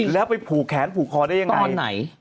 แล้วไปผูกแขนผูกคอได้ยังไง